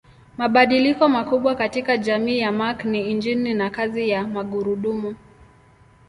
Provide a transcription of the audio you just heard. Mabadiliko makubwa katika jamii ya Mark ni injini na kazi ya magurudumu.